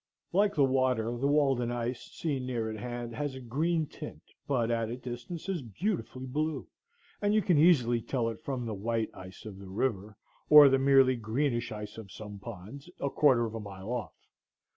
Like the water, the Walden ice, seen near at hand, has a green tint, but at a distance is beautifully blue, and you can easily tell it from the white ice of the river, or the merely greenish ice of some ponds, a quarter of a mile off.